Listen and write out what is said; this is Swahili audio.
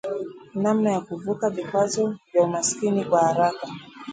namna ya kuvuka vikwazo vya umasikini kwa haraka